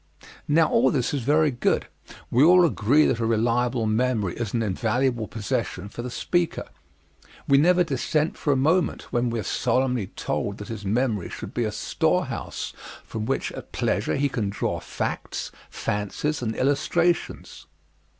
Now all this is very good. We all agree that a reliable memory is an invaluable possession for the speaker. We never dissent for a moment when we are solemnly told that his memory should be a storehouse from which at pleasure he can draw facts, fancies, and illustrations.